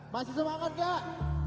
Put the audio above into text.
masih semangat gak